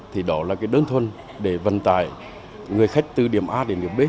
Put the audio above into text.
thì đó là cái đơn thuần để vận tải người khách từ điểm a đến điểm b